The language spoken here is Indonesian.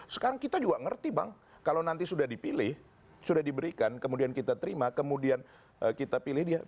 sekarang kita juga ngerti bang kalau nanti sudah dipilih sudah diberikan kemudian kita terima kemudian kita pilih dia